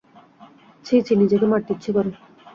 ছি ছি, নিজেকে মারতে ইচ্ছে করে।